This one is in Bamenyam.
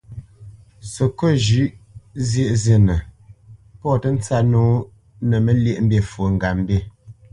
Səkôt zhʉ̌ʼ zyēʼ zînə, pɔ̌ tə́ ntsǎp nǒ nə Məlyéʼmbî fwo ŋgapmbî.